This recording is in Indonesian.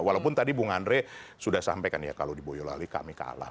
walaupun tadi bung andre sudah sampaikan ya kalau di boyolali kami kalah